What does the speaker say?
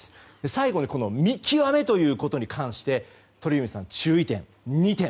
最後に、見極めということに関して鳥海さんから注意点、２点。